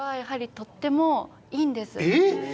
とってもいいんです。